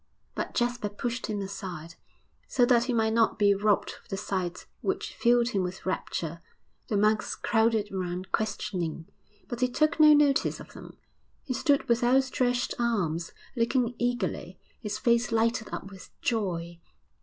But Jasper pushed him aside, so that he might not be robbed of the sight which filled him with rapture; the monks crowded round, questioning, but he took no notice of them. He stood with outstretched arms, looking eagerly, his face lighted up with joy.